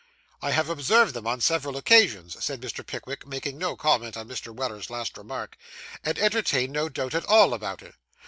'I have observed them on several occasions,' said Mr. Pickwick, making no comment on Mr. Weller's last remark; 'and entertain no doubt at all about it.